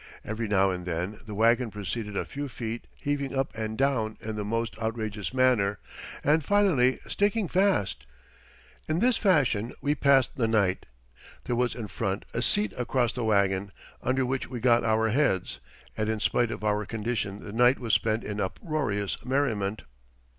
Every now and then the wagon proceeded a few feet heaving up and down in the most outrageous manner, and finally sticking fast. In this fashion we passed the night. There was in front a seat across the wagon, under which we got our heads, and in spite of our condition the night was spent in uproarious merriment.